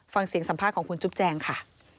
ฟังเสียงสัมภาษณ์ของคุณจุ๊บแจงค่ะ